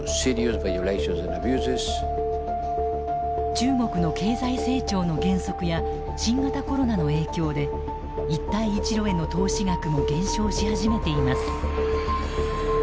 中国の経済成長の減速や新型コロナの影響で一帯一路への投資額も減少し始めています。